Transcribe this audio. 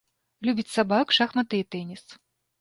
Любіць сабак, шахматы і тэніс.